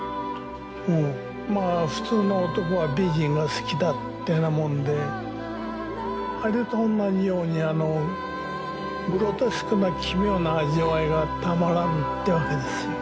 うんまあ普通の男は美人が好きだってなもんであれとおんなじようにあのグロテスクな奇妙な味わいがたまらんってわけですよ。